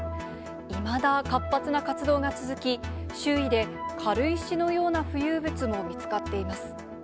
いまだ活発な活動が続き、周囲で軽石のような浮遊物も見つかっています。